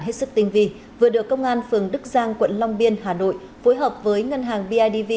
hết sức tinh vi vừa được công an phường đức giang quận long biên hà nội phối hợp với ngân hàng bidv